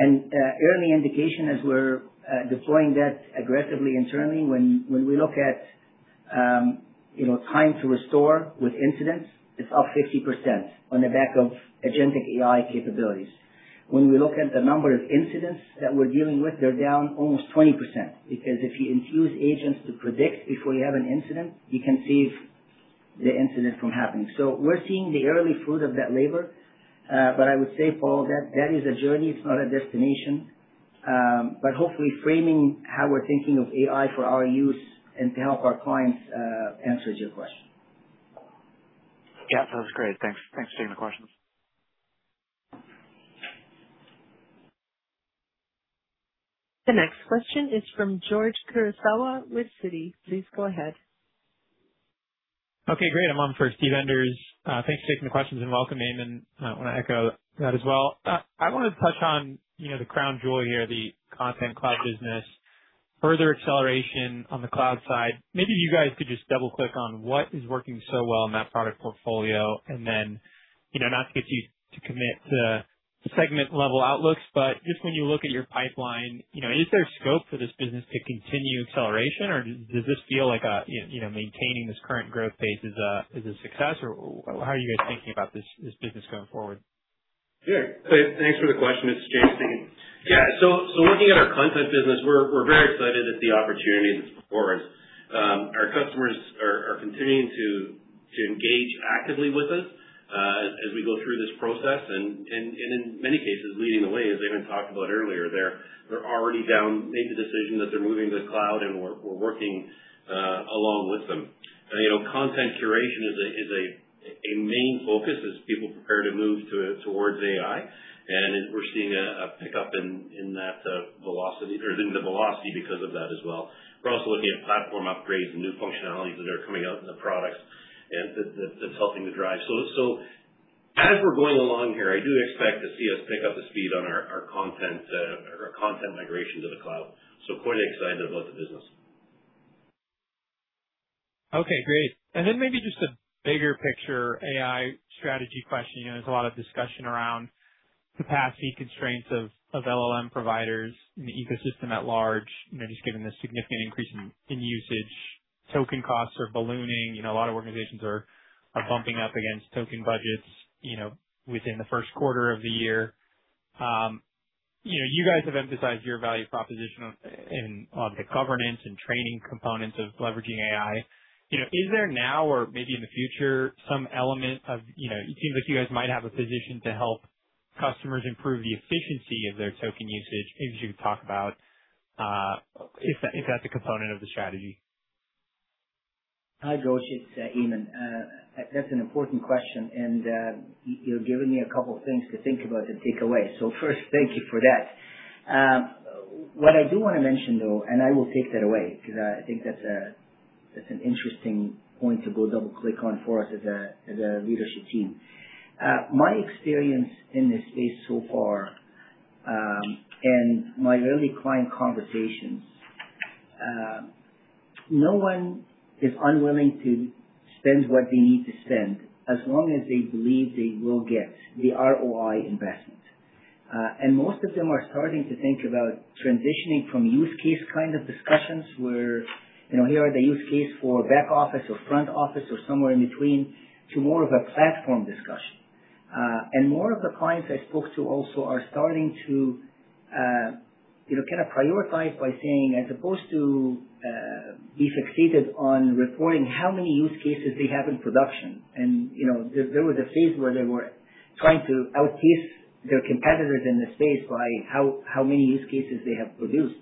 Speaker 3: Early indication as we're deploying that aggressively internally, when we look at, you know, time to restore with incidents, it's up 50% on the back of agentic AI capabilities. When we look at the number of incidents that we're dealing with, they're down almost 20% because if you infuse agents to predict before you have an incident, you can save the incident from happening. We're seeing the early fruit of that labor. I would say, Paul, that that is a journey, it's not a destination. Hopefully framing how we're thinking of AI for our use and to help our clients answers your question.
Speaker 11: Yeah. No, that's great. Thanks. Thanks for taking the questions.
Speaker 1: The next question is from George Kurosawa with Citi. Please go ahead.
Speaker 12: Okay, great. I'm on for Steve Enders. Thanks for taking the questions and welcome, Ayman. I want to echo that as well. I wanna touch on, you know, the Content Cloud business. Further acceleration on the cloud side. Maybe you guys could just double-click on what is working so well in that product portfolio. Then, you know, not to get you to commit to segment-level outlooks, but just when you look at your pipeline, you know, is there scope for this business to continue acceleration, or does this feel like a, you know, maintaining this current growth pace is a success? How are you guys thinking about this business going forward?
Speaker 4: Sure. Thanks for the question. It's James. Looking at our content business, we're very excited at the opportunity that's before us. Our customers are continuing to engage actively with us as we go through this process. In many cases, leading the way, as Ayman talked about earlier. They're already down, made the decision that they're moving to the cloud, we're working along with them. You know, content curation is a main focus as people prepare to move towards AI. We're seeing a pickup in that velocity or in the velocity because of that as well. We're also looking at platform upgrades and new functionalities that are coming out in the products that's helping to drive. As we're going along here, I do expect to see us pick up the speed on our content, or our content migration to the cloud. Quite excited about the business.
Speaker 12: Okay, great. Maybe just a bigger picture AI strategy question. You know, there's a lot of discussion around capacity constraints of LLM providers in the ecosystem at large. You know, just given the significant increase in usage, token costs are ballooning. You know, a lot of organizations are bumping up against token budgets, you know, within the first quarter of the year. You know, you guys have emphasized your value proposition on the governance and training components of leveraging AI. You know, is there now or maybe in the future some element of, you know, it seems like you guys might have a position to help customers improve the efficiency of their token usage. Maybe you can talk about if that's a component of the strategy.
Speaker 3: Hi, George, it's Ayman. That's an important question, you're giving me a couple things to think about and take away. First, thank you for that. What I do wanna mention, though, I will take that away because I think that's an interesting point to go double-click on for us as a leadership team. My experience in this space so far, my early client conversations, no one is unwilling to spend what they need to spend as long as they believe they will get the ROI investment. Most of them are starting to think about transitioning from use case kind of discussions where, you know, here are the use case for back office or front office or somewhere in between, to more of a platform discussion. More of the clients I spoke to also are starting to, you know, kind of prioritize by saying as opposed to, be fixated on reporting how many use cases they have in production. You know, there was a phase where they were trying to outpace their competitors in the space by how many use cases they have produced.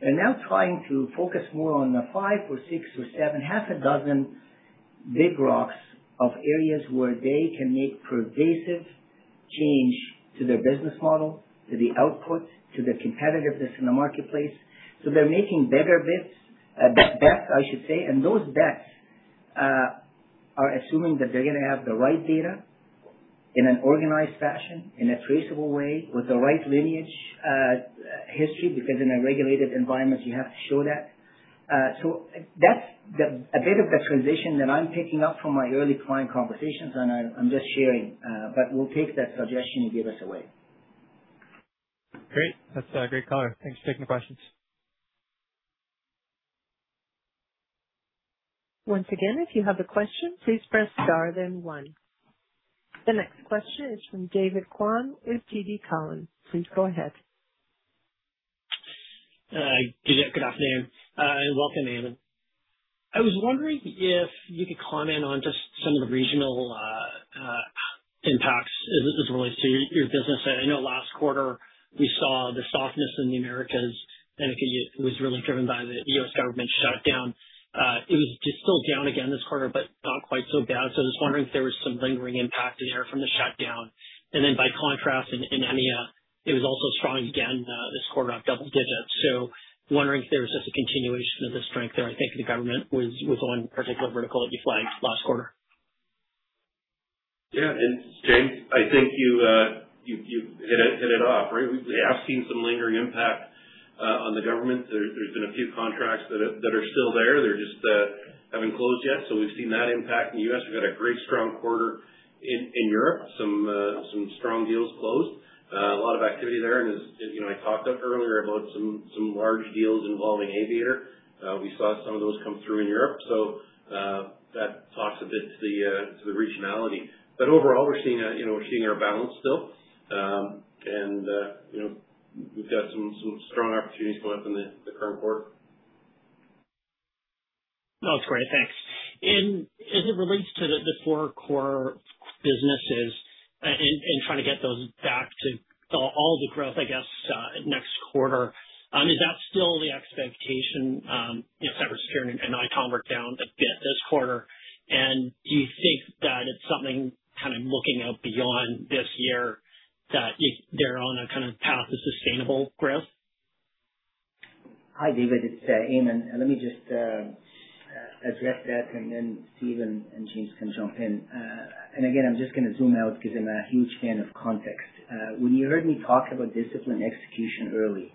Speaker 3: They're now trying to focus more on the five or six or seven, half a dozen big rocks of areas where they can make pervasive change to their business model, to the output, to their competitiveness in the marketplace. They're making bigger bets, I should say. Those bets are assuming that they're gonna have the right data in an organized fashion, in a traceable way with the right lineage, history, because in a regulated environment you have to show that. That's a bit of the transition that I'm picking up from my early client conversations, and I'm just sharing. We'll take that suggestion you gave us away.
Speaker 12: Great. That's a great color. Thanks for taking the questions.
Speaker 1: Once again, if you have a question, please press star then one. The next question is from David Kwan with TD Cowen. Please go ahead.
Speaker 13: Good afternoon, and welcome, Ayman. I was wondering if you could comment on just some of the regional impacts as it relates to your business. I know last quarter we saw the softness in the Americas, and it was really driven by the U.S. government shutdown. It was just still down again this quarter, but not quite so bad. I was wondering if there was some lingering impact in there from the shutdown. By contrast in EMEA, it was also strong again this quarter of double digits. Wondering if there was just a continuation of the strength there. I think the government was one particular vertical that you flagged last quarter.
Speaker 4: Yeah. James, I think you hit it off, right? We have seen some lingering impact on the government. There's been a few contracts that are still there. They're just haven't closed yet. We've seen that impact in the U.S. We've had a great strong quarter in Europe. Some strong deals closed. A lot of activity there. As you know, I talked earlier about some large deals involving Aviator. We saw some of those come through in Europe. That talks a bit to the regionality. Overall, you know, we're seeing our balance still. You know, we've got some strong opportunities going up in the current quarter.
Speaker 13: That's great. Thanks. As it relates to the four core businesses and trying to get those back to all the growth, I guess, next quarter, is that still the expectation? You know, cyber security and ITOM were down a bit this quarter. Do you think that it's something kind of looking out beyond this year that if they're on a kind of path of sustainable growth?
Speaker 3: Hi, David, it's Ayman. Let me just address that and then Steve and James can jump in. Again, I'm just gonna zoom out because I'm a huge fan of context. When you heard me talk about disciplined execution early,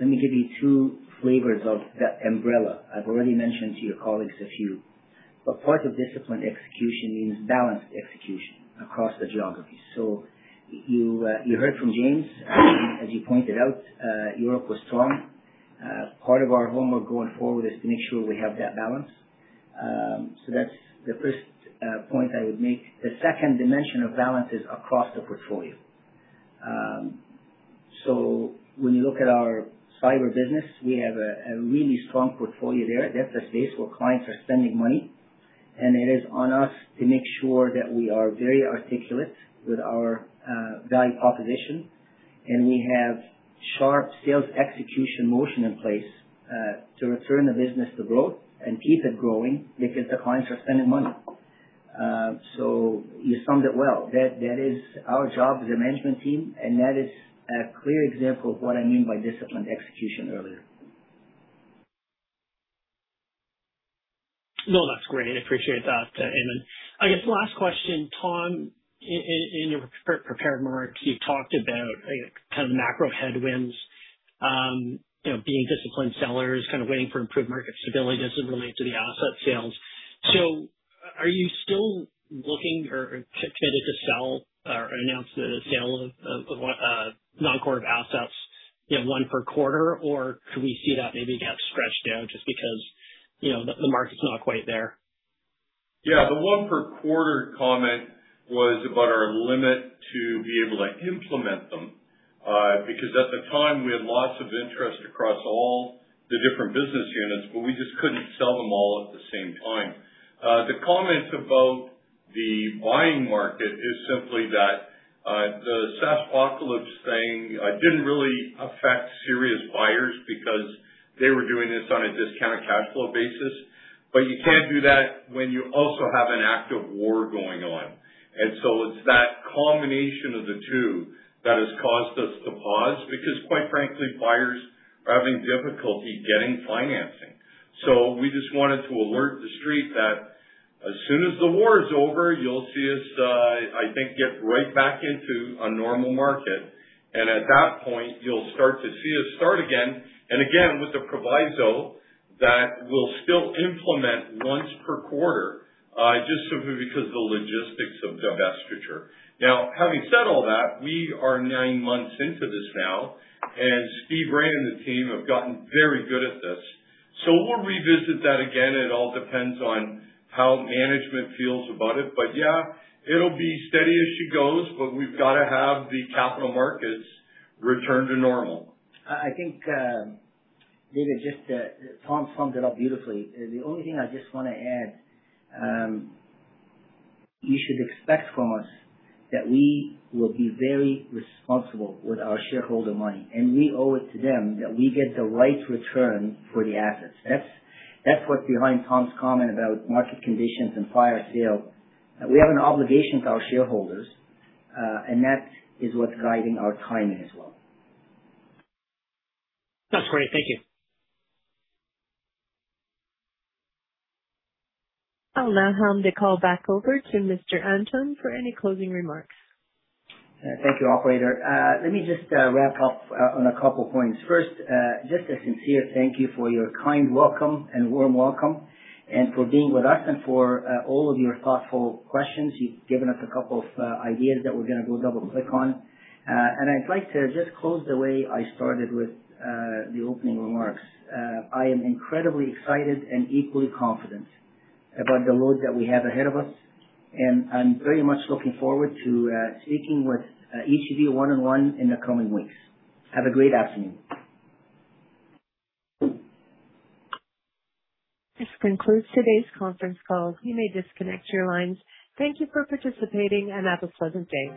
Speaker 3: let me give you two flavors of that umbrella. I've already mentioned to your colleagues a few, but part of disciplined execution means balanced execution across the geographies. You heard from James, as you pointed out, Europe was strong. Part of our homework going forward is to make sure we have that balance. That's the first point I would make. The second dimension of balance is across the portfolio. When you look at our cyber business, we have a really strong portfolio there. That's a space where clients are spending money, and it is on us to make sure that we are very articulate with our value proposition. We have sharp sales execution motion in place to return the business to growth and keep it growing because the clients are spending money. You summed it well. That is our job as a management team, and that is a clear example of what I mean by disciplined execution earlier.
Speaker 13: No, that's great. I appreciate that, Ayman. I guess last question, Tom, in your pre-prepared remarks, you talked about, kind of macro headwinds, you know, being disciplined sellers, kind of waiting for improved market stability as it relates to the asset sales. Are you still looking or committed to sell or announce the sale of non-core assets, you know, one per quarter? Could we see that maybe get stretched out just because, you know, the market's not quite there?
Speaker 6: Yeah. The one per quarter comment was about our limit to be able to implement them. Because at the time, we had lots of interest across all the different business units, but we just couldn't sell them all at the same time. The comment about the buying market is simply that the SaaSpocalypse thing didn't really affect serious buyers because they were doing this on a discounted cash flow basis. You can't do that when you also have an active war going on. It's that combination of the two that has caused us to pause because quite frankly, buyers are having difficulty getting financing. We just wanted to alert the Street that as soon as the war is over, you'll see us, I think, get right back into a normal market. At that point, you'll start to see us start again and again, with the proviso that we'll still implement once per quarter, just simply because the logistics of divestiture. Having said all that, we are nine months into this now, and Steve Rai and the team have gotten very good at this. We'll revisit that again. It all depends on how management feels about it. Yeah, it'll be steady as she goes. We've got to have the capital markets return to normal.
Speaker 3: Tom summed it up beautifully. The only thing I just wanna add, you should expect from us that we will be very responsible with our shareholder money, and we owe it to them that we get the right return for the assets. That's what's behind Tom's comment about market conditions and fire sale. We have an obligation to our shareholders, and that is what's guiding our timing as well.
Speaker 13: That's great. Thank you.
Speaker 1: I'll now hand the call back over to Mr. Antoun for any closing remarks.
Speaker 3: Thank you, operator. Let me just wrap up on a couple points. First, just a sincere thank you for your kind welcome and warm welcome and for being with us and for all of your thoughtful questions. You've given us a couple of ideas that we're gonna go double click on. I'd like to just close the way I started with the opening remarks. I am incredibly excited and equally confident about the road that we have ahead of us, and I'm very much looking forward to speaking with each of you one-on-one in the coming weeks. Have a great afternoon.
Speaker 1: This concludes today's conference call. You may disconnect your lines. Thank you for participating and have a pleasant day.